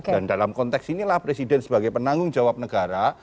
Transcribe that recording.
dan dalam konteks inilah presiden sebagai penanggung jawab negara